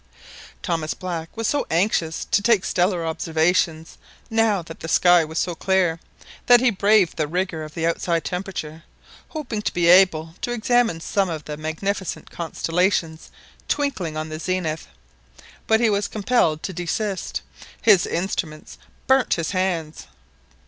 Thomas Black was so anxious to take stellar observations, now that the sky was so clear, that he braved the rigour of the outside temperature, hoping to be able to examine some of the magnificent constellations twinkling on the zenith. But he was compelled to desist his instruments "burnt" his hands!